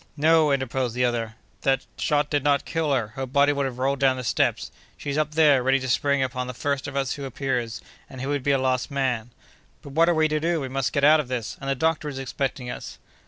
"No!" interposed the other, "that shot did not kill her; her body would have rolled down the steps; she's up there, ready to spring upon the first of us who appears, and he would be a lost man!" "But what are we to do? We must get out of this, and the doctor is expecting us."